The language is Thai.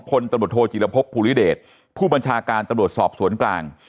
พลตรบทโทษฎีลภพภูลิเดชผู้บัญชาการตรวจสอบสวนกลาง